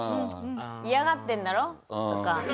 「嫌がってんだろ」とか。